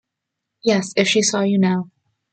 Yes, if she saw you now.